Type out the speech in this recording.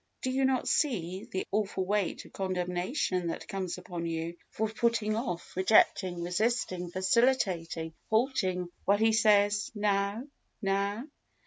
Do you not see; the awful weight of condemnation that comes upon you for putting off, rejecting, resisting, vascilating, halting, while He says, _Now now?